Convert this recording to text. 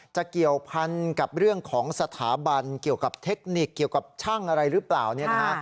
เกี่ยวพันกับเรื่องของสถาบันเกี่ยวกับเทคนิคเกี่ยวกับช่างอะไรหรือเปล่าเนี่ยนะฮะ